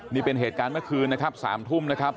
นี่เป็นเหตุการณ์เมื่อคืนสามทุ่มครับ